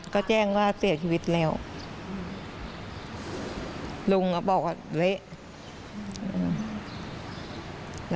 ก็แจ้งว่าเสียชีวิตแล้วลุงก็บอกว่าเละอืม